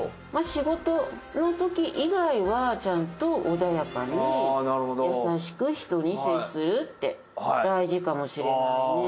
仕事の時以外はちゃんと穏やかに優しく人に接するって大事かもしれないね。